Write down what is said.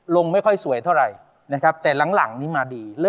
ลงไม่ค่อยสวยเท่าไรแต่หลังนี่มาดี